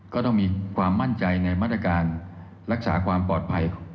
ก็ต้องมีความมั่นใจในมาตรการรักษาความปลอดภัย